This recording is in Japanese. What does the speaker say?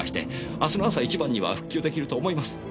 明日の朝一番には復旧出来ると思います。